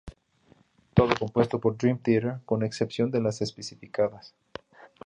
Todo compuesto por Dream Theater con excepción de las especificadas.